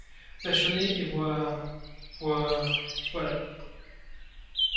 Vachonnet Et voi … voi … voilà !